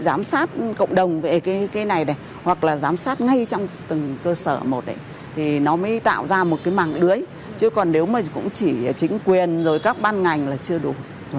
giám sát cộng đồng về cái này này hoặc là giám sát ngay trong từng cơ sở một thì nó mới tạo ra một cái mạng lưới chứ còn nếu mà cũng chỉ chính quyền rồi các ban ngành là chưa đủ